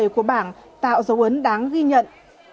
của bảng tạo dấu ấn đáng ghi nhận